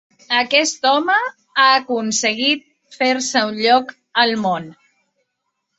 Aquest home ha aconseguit fer-se un lloc al món.